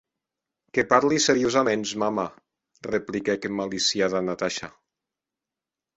Que parli seriosaments, mama, repliquèc emmaliciada Natasha.